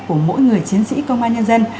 của mỗi người chiến sĩ công an nhân dân